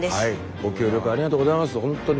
ご協力ありがとうございますほんとに。